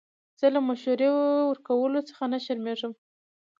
زه له مشورې ورکولو څخه نه شرمېږم.